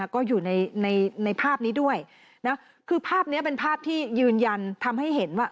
ก็อยู่ในในภาพนี้ด้วยนะคือภาพนี้เป็นภาพที่ยืนยันทำให้เห็นว่า